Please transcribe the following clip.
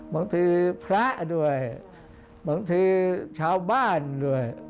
บางทีพระด้วยบางทีชาวบ้านด้วย